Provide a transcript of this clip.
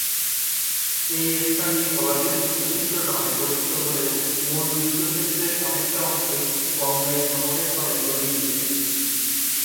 এই স্থানটি পলাশীর যুদ্ধক্ষেত্র নামে পরিচিত হলেও মূল যুদ্ধক্ষেত্রের অনেকটা অংশই গঙ্গায় ভাঙনের ফলে তলিয়ে গিয়েছে।